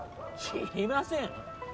知りません？